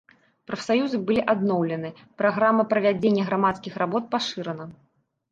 Прафсаюзы былі адноўлены, праграма правядзення грамадскіх работ пашырана.